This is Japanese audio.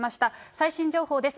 最新情報です。